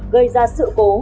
gây ra sự cố